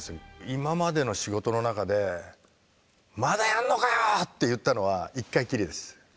今までの仕事の中で「まだやんのかよ！」って言ったのは１回きりです。